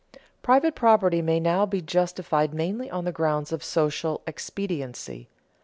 _Private property may now be justified mainly on the grounds of social expediency.